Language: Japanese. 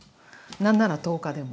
何なら１０日でも。